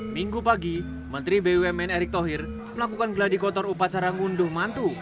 minggu pagi menteri bumn erick thohir melakukan geladi kotor upacara ngunduh mantu